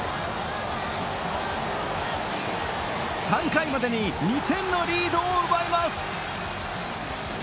３回までに２点のリードを奪います。